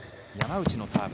山内のサーブ。